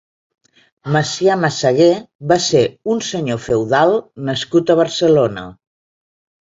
Macià Massaguer va ser un senyor feudal nascut a Barcelona.